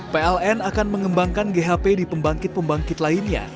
pln akan mengembangkan ghp di pembangkit pembangkit lainnya